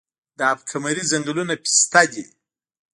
د اب کمري ځنګلونه پسته دي